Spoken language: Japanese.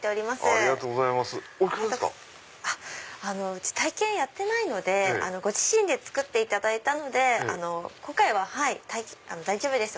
うち体験やってないのでご自身で作っていただいたので今回は大丈夫です。